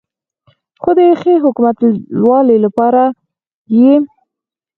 خو د ښې حکومتولې لپاره یې